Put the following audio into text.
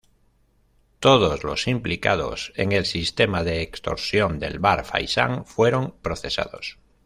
Todos los implicados en el sistema de extorsión del Bar Faisán fueron procesados.